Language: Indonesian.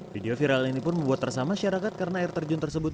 video viral ini pun membuat terasa masyarakat karena air terjun tersebut